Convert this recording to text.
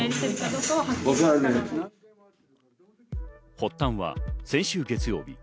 発端は先週月曜日。